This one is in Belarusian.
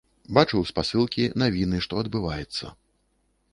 Бачыў спасылкі, навіны, што адбываецца.